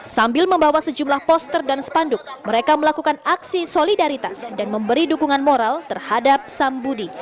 sambil membawa sejumlah poster dan spanduk mereka melakukan aksi solidaritas dan memberi dukungan moral terhadap sam budi